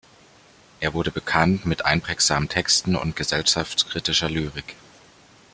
Er wurde bekannt mit einprägsamen Texten und gesellschaftskritischer Lyrik.